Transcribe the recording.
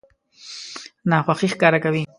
ناخوښي ښکاره کوي.